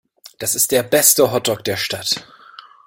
Das ist der beste Hotdog der Stadt.